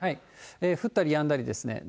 降ったりやんだりですね。